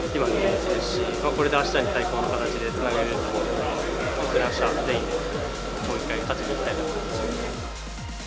これであしたに最高の形でつなげられると思うので、あした全員で、もう一回勝ちにいきたいと思います。